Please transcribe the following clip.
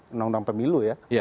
undang undang pemilu ya